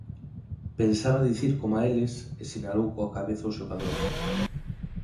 _Pensaba dicir coma eles _e sinalou coa cabeza ós xogadores.